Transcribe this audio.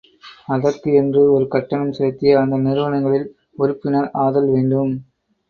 அதற்கு என்று ஒரு கட்டணம் செலுத்தி அந்த நிறுவனங்களில் உறுப்பினர் ஆதல் வேண்டும்.